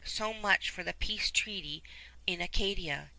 So much for the peace treaty in Acadia.